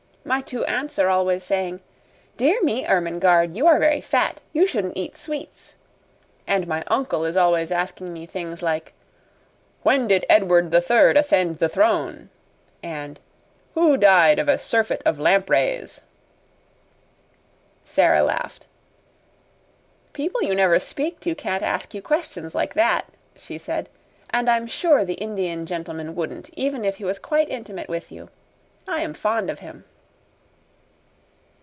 My two aunts are always saying, 'Dear me, Ermengarde! You are very fat. You shouldn't eat sweets,' and my uncle is always asking me things like, 'When did Edward the Third ascend the throne?' and, 'Who died of a surfeit of lampreys?'" Sara laughed. "People you never speak to can't ask you questions like that," she said; "and I'm sure the Indian gentleman wouldn't even if he was quite intimate with you. I am fond of him."